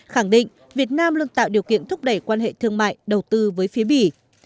khẳng định việt nam luôn tạo điều kiện thúc đẩy quan hệ thương mại đầu tư với phía bỉ